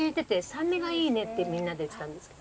酸味がいいねってみんなで言ってたんですけど。